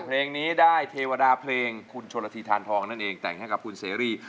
เพลงนี้ได้เทวดาเพลงคุณชนละทีทานทองนั่นเองแต่งให้กับคุณเสรี